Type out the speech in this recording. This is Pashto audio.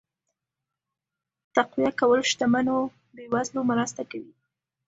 تقويه کول شتمنو بې وزلو مرسته کوي.